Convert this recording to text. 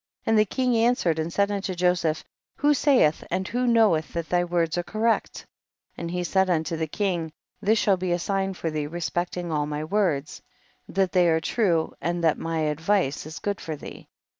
62. And the king answered and said unto Joseph, who sayeth and who knoweth that thy words are correct ? And he said unto the king, this shall be a sign for thee respect ing all my words, that they are true and that my advice is good for thee.